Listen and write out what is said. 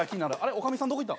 女将さんどこいった？